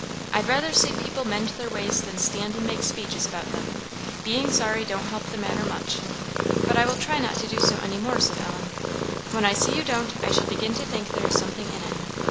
I'd rather see people mend their ways than stand and make speeches about them. Being sorry don't help the matter much." "But I will try not to do so any more," said Ellen. "When I see you don't, I shall begin to think there is something in it.